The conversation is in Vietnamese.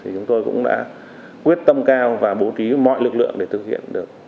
chúng tôi cũng đã quyết tâm cao và bố trí mọi lực lượng để thực hiện được